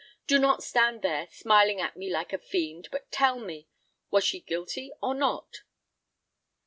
Do not stand there, smiling at me like a fiend, but tell me, was she guilty or not?"